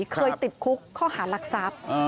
เคยติดคุกข้อหารักทรัพย์